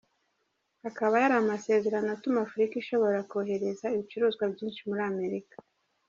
Akaba yari amasezerano atuma Afurika ishobora kohereza ibicuruzwa byinshi muri Amerika.